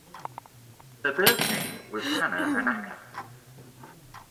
Her birth name was Hana Annaka.